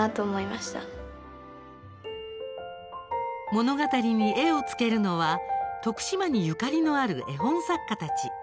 物語に絵をつけるのは徳島にゆかりのある絵本作家たち。